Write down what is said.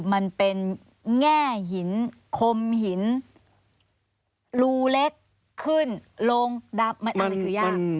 มันเป็นแง่หินคมหินรูเล็กขึ้นลงดับมันอะไรคือยาก